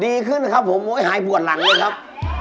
ดีขึ้นนะครับผมหายปวดหลังเลยครับ